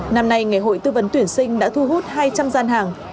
năm nay ngày hội tư vấn tuyển sinh đã thu hút hai trăm linh gian hàng